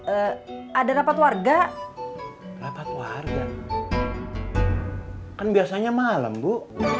eh ada rapat warga rapat warga kan biasanya malam bu